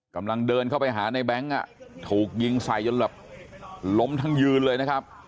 กำลังเดินเข้าไปหาในแบงค์ถูกยิงใส่จนแบบล้มทั้งยืนเลยนะครับ